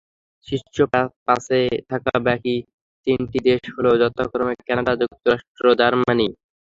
শীর্ষ পাঁচে থাকা বাকি তিনটি দেশ হলো যথাক্রমে কানাডা, যুক্তরাষ্ট্র, জার্মানি।